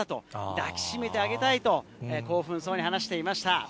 抱き締めてあげたいと、興奮そうに話していました。